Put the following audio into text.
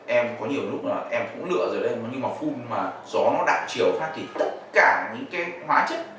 em có nhiều lúc mà em cũng lựa rồi đấy nhưng mà phun mà gió nó đặn chiều phát thì tất cả những cái hóa chất